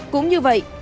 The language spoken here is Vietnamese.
cũng như vậy